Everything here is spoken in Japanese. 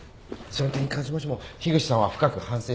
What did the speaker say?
その点に関しましても樋口さんは深く反省しておりまして。